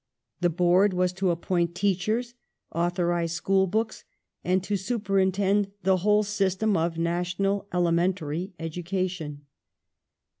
The Board was to appoint teachers, authorize school books, and to superintend the whole system of national elementary education.